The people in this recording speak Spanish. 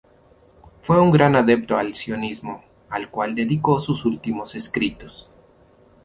Fue un gran adepto al sionismo, al cual dedicó sus últimos escritos.